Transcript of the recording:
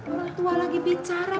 oma tua lagi bicara